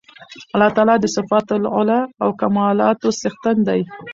الله تعالی د صفات العُلی او کمالاتو څښتن دی